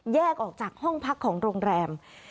แยกออกจากห้องพักของโรงแรม